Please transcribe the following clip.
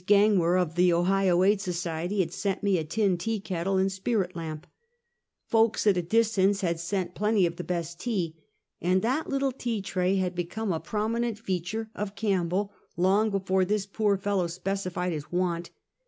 Gauge wer, of the Ohio Aid Society, had sent me a tin tea kettle and spirit lamp; folks at a distance had sent plenty of the best tea; and that little tea tray had become a prominent feature of Campbell long before this poor fellow specified his want.